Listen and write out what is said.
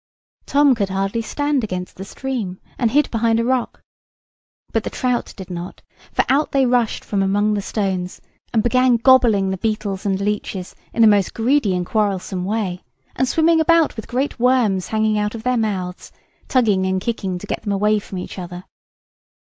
Tom could hardly stand against the stream, and hid behind a rock. But the trout did not; for out they rushed from among the stones, and began gobbling the beetles and leeches in the most greedy and quarrelsome way, and swimming about with great worms hanging out of their mouths, tugging and kicking to get them away from each other.